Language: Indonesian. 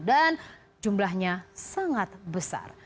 dan jumlahnya sangat besar